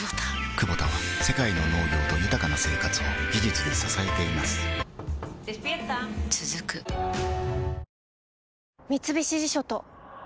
クボタは世界の農業と豊かな生活を技術で支えています起きて。